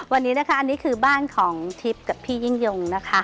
วันนี้นะคะอันนี้คือบ้านของทิพย์กับพี่ยิ่งยงนะคะ